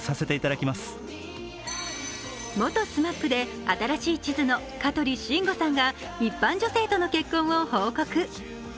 元ＳＭＡＰで新しい地図の香取慎吾さんが一般女性との結婚を報告。